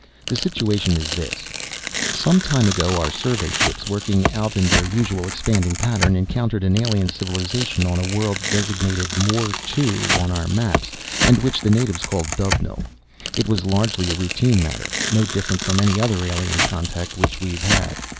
The situation is this: "Some time ago, our survey ships, working out in their usual expanding pattern, encountered an alien civilization on a world designated Moore II on our maps, and which the natives call Dovenil. It was largely a routine matter, no different from any other alien contact which we've had.